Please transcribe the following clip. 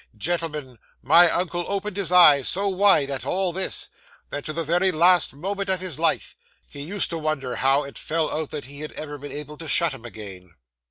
Gentlemen, my uncle opened his eyes so wide at all this, that, to the very last moment of his life, he used to wonder how it fell out that he had ever been able to shut 'em again.